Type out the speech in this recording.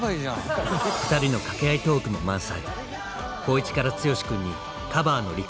ふたりの掛け合いトークも満載。